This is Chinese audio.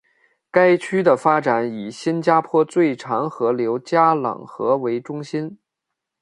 该区的发展以新加坡最长河流加冷河为中心。